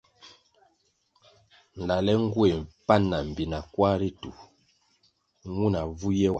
Nlale ngueh pan ma mbpina kwar ritu nwuna vu ye wa.